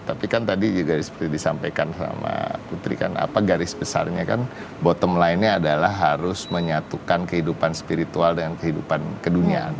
tapi kan tadi juga seperti disampaikan sama putri kan apa garis besarnya kan bottom line nya adalah harus menyatukan kehidupan spiritual dengan kehidupan keduniaan